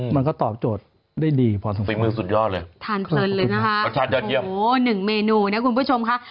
มันก็ตอบโจทย์ได้ดีพอสมควรสิ่งมือสุดยอดเลยทานเพลินเลยนะครับโอ้หนึ่งเมนูนะคุณผู้ชมค่ะ